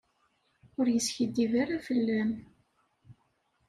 Ur yeskiddib ara fell-am.